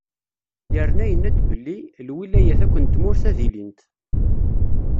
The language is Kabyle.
Yerna yenna-d belli: “Lwilayat akk n tmurt, ad ilint."